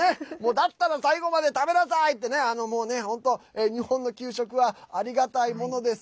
だったら最後まで食べなさいって本当、日本の給食はありがたいものです。